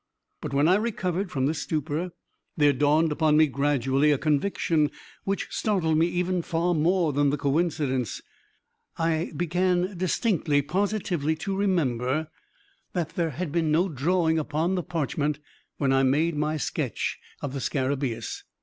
But, when I recovered from this stupor, there dawned upon me gradually a conviction which startled me even far more than the coincidence. I began distinctly, positively, to remember that there had been no drawing upon the parchment when I made my sketch of the scarabaeus.